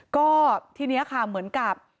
ก็ทีนี้ค่ะเหมือนกับ